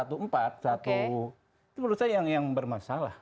itu menurut saya yang bermasalah